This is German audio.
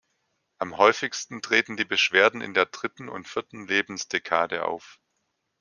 Am häufigsten treten die Beschwerden in der dritten und vierten Lebensdekade auf.